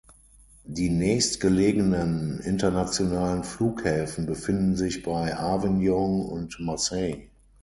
Die nächstgelegenen internationalen Flughäfen befinden sich bei Avignon und Marseille.